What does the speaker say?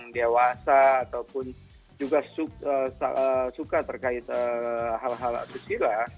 dewasa ataupun juga suka terkait hal hal kecil lah